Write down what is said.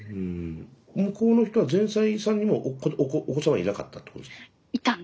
向こうの人は前妻さんにもお子さんはいなかったってことですか？